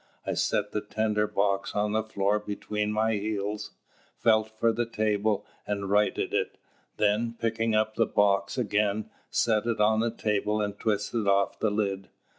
I set the tinder box on the floor between my heels, felt for the table, and righted it; then, picking up the box again, set it on the table and twisted off the lid.